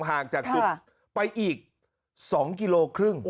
ห่างจากจุดไปอีก๒กิโลครึ่ง